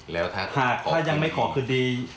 แล้วถ้ายังไม่ขอคืนดี